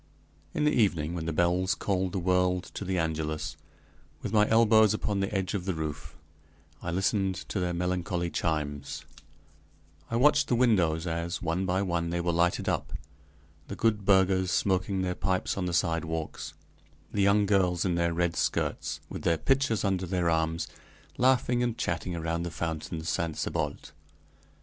In the evening, when the bells called the world to the Angelus, with my elbows upon the edge of the roof, I listened to their melancholy chimes; I watched the windows as, one by one, they were lighted up; the good burghers smoking their pipes on the sidewalks; the young girls in their red skirts, with their pitchers under their arms, laughing and chatting around the fountain "Saint Sebalt."